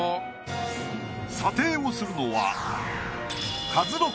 査定をするのは。